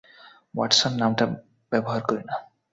Watson নামটা ব্যবহার করি না।